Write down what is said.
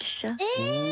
えっ！